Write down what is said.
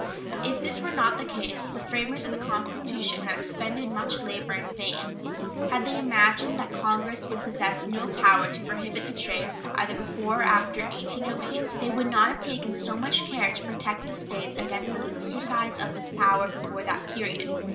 If this were not the case, the framers of the Constitution had expended much labor in vain. Had they imagined that Congress would possess no power to prohibit the trade either before or after 1808, they would not have taken so much care to protect the States against the exercise of this power before that period.